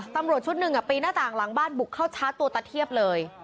ตำรวจชุดหนึ่งปีหน้าต่างหลังบ้านบุกเข้าชาร์จตัวตะเทียบเลย